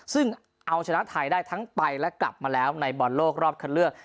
ซึ่งเอาชนะไทยได้ทั้งไปและกลับมาแล้วในบอลโลกรอบคันเลือก